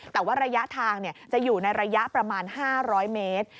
แต่ว่าระยะทางจะอยู่ในระยะประมาณ๕๐๐เมตร